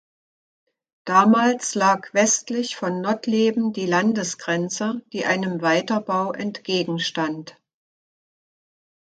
Damals lag westlich von Nottleben die Landesgrenze, die einem Weiterbau entgegenstand.